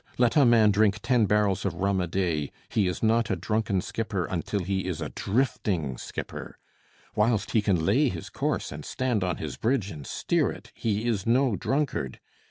Let a man drink ten barrels of rum a day, he is not a drunken skipper until he is a drifting skipper. Whilst he can lay his course and stand on his bridge and steer it, he is no drunkard.